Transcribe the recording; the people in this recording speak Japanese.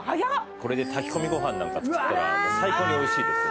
これで炊き込みご飯なんか作ったら最高に美味しいですよ。